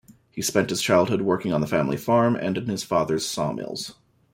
He spent his childhood working on the family farm and in his father's sawmills.